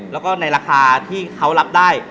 แล้วก็ในราคาที่เขารับได้